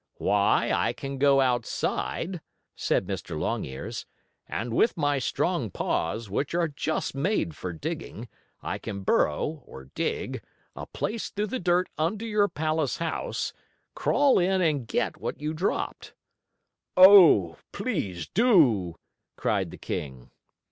"Why, I can go outside," said Mr. Longears, "and with my strong paws, which are just made for digging, I can burrow, or dig, a place through the dirt under your palace house, crawl in and get what you dropped." "Oh, please do!" cried the king.